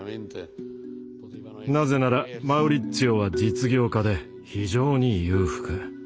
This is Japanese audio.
なぜならマウリッツィオは実業家で非常に裕福。